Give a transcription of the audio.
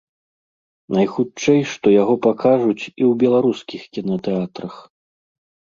Найхутчэй, што яго пакажуць і ў беларускіх кінатэатрах.